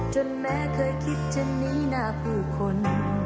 จนแม้เคยคิดจะหนีหน้าผู้คน